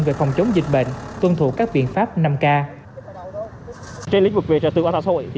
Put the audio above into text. về phòng chống dịch bệnh tuân thủ các biện pháp năm k trên lĩnh vực về trật tự quan hệ xã hội thì